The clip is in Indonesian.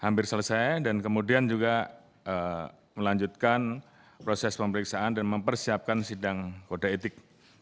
hampir selesai dan kemudian juga melanjutkan proses pemeriksaan dan mempersiapkan sidang kode etik